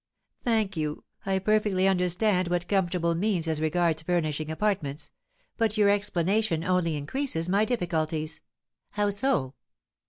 "Thank you. I perfectly understand what comfortable means as regards furnishing apartments; but your explanation only increases my difficulties." "How so?"